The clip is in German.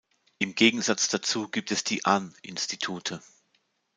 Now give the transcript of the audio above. Im Gegensatz dazu gibt es die An-Institute.